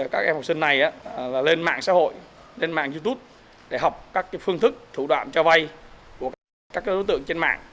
các em học sinh này lên mạng xã hội lên mạng youtube để học các phương thức thủ đoạn cho vay của các đối tượng trên mạng